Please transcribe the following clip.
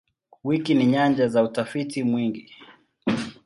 Wiki ni nyanja za utafiti mwingi.